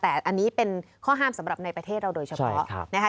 แต่อันนี้เป็นข้อห้ามสำหรับในประเทศเราโดยเฉพาะนะคะ